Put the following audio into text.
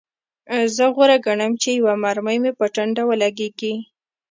زه غوره ګڼم چې یوه مرمۍ مې په ټنډه ولګیږي